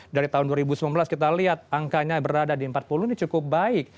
dari tahun dua ribu sembilan belas kita lihat angkanya berada di empat puluh ini cukup baik